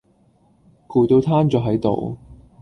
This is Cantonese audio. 攰到攤左係度